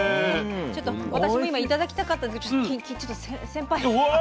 ちょっと私も今頂きたかったんですけどちょっと先輩先輩！